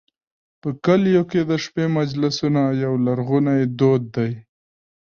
په کلیو کې د شپې مجلسونه یو لرغونی دود دی.